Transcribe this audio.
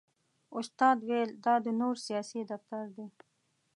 استاد ویل دا د نور سیاسي دفتر دی.